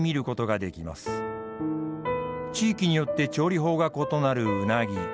地域によって調理法が異なるうなぎ。